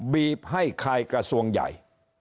บีบให้คายกระทรวงใหญ่